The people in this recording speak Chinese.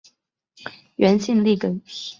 原姓粟根。